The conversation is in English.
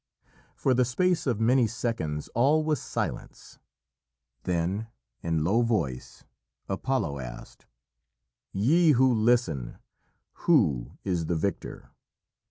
For the space of many seconds all was silence. Then, in low voice, Apollo asked: "Ye who listen who is the victor?"